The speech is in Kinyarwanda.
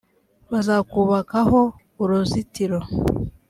bazakubakaho uruzitiro